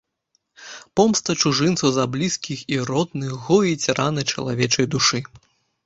Помста чужынцу за блізкіх і родных гоіць раны чалавечай душы.